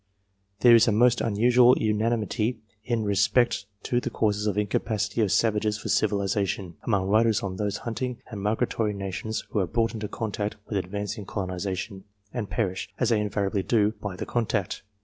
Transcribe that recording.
There is a most unusual unanimity in respect to the causes of in capacity of savages for civilization, among writers on those hunting and migratory nations who are brought into con tact with advancing colonization, and perish, as they in variably do, by the contact.